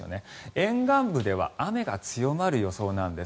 沿岸部では雨が強まる予想なんです。